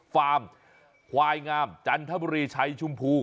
ฟาร์มควายงามจันทบุรีชัยชมพู